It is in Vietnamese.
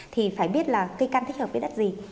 thì phải biết là cây cam thích hợp với đất gì